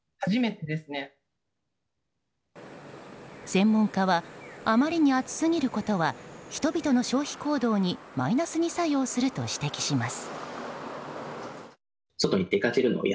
専門家はあまりに暑すぎることは人々の消費行動にマイナスに作用すると指摘します。